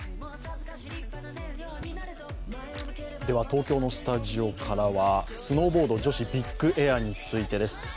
では東京のスタジオからはスノーボード女子ビッグエアについてです。